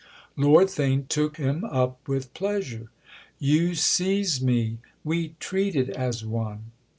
Lord Theign took him up with pleasure. "You seize me? We treat it as one!"